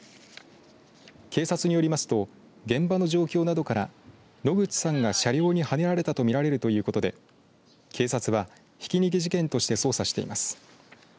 警察によりますと現場の状況などから野口さんが車両に、はねられたとみられるということで警察では、ひき逃げ事件として捜査しています。